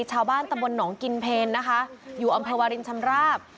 ชาวบ้านตะบนหนองกินเพลนะคะอยู่อัมพวาลินชำราบ